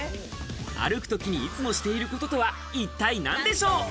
歩くときにいつもしていることとは一体何でしょう？